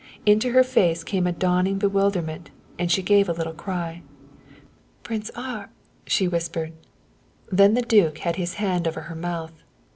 Into her face came a dawning bewilderment, and she gave a little cry. "Prince Ar ," she whispered. Then the duke had his hand over her mouth.